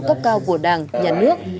cấp cao của đảng nhà nước